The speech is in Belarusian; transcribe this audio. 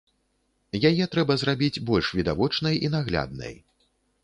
Яе трэба зрабіць больш відавочнай і нагляднай.